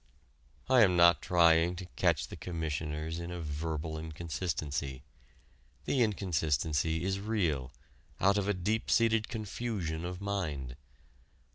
I am not trying to catch the Commissioners in a verbal inconsistency. The inconsistency is real, out of a deep seated confusion of mind.